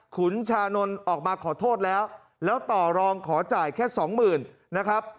ขุนชานนท์ออกมาขอโทษแล้วแล้วต่อรองขอจ่ายแค่สองหมื่นนะครับ